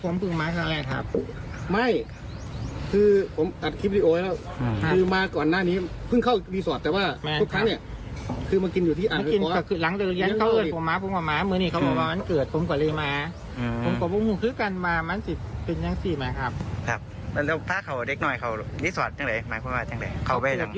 น้ำซือเหลาไม่ให้เขาคุณก็ซื้อน้ำเหลาไเขาไม่เจอ